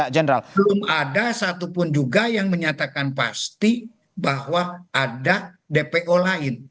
general belum ada satupun juga yang menyatakan pasti bahwa ada dpo lain